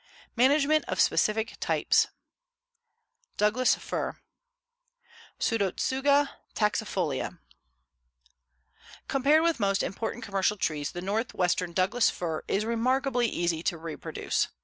MANAGEMENT OF SPECIFIC TYPES DOUGLAS FIR (Pseudotsuga taxifolia) Compared with most important commercial trees, the Northwestern Douglas fir is remarkably easy to reproduce.